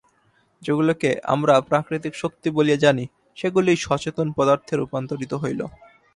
যেগুলিকে আমরা প্রকৃতির শক্তি বলিয়া জানি, সেগুলিই সচেতন পদার্থে রূপান্তরিত হইল।